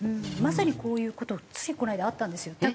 まさにこういう事がついこの間あったんですよ。